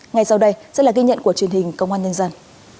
ngay sau đây sẽ là ghi nhận của truyền hình công an nhân dân